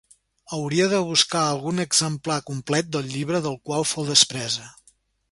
¿Hauria de buscar algun exemplar complet del llibre del qual fou despresa?